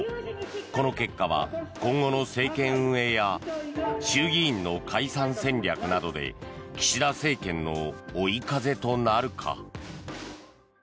この結果は、今後の政権運営や衆議院の解散戦略などで岸田政権の追い風となるか。